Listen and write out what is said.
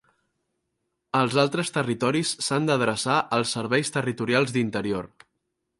En els altres territoris s'han d'adreçar als serveis territorials d'Interior.